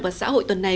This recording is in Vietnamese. và xã hội tuần này